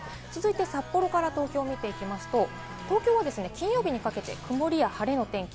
札幌から東京を見ていきますと、東京は金曜日にかけて晴れや曇りの天気。